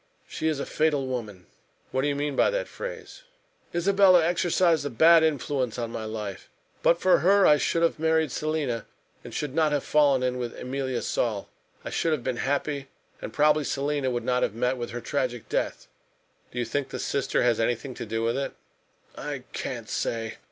She is a fatal woman!" "What do you mean by that phrase?" "Isabella exercised a bad influence on my life. But for her I should have married Selina and should not have fallen in with Emilia Saul. I should have been happy, and probably Selina would not have met with her tragic death." "Do you think the sister has anything to do with it?" "I can't say.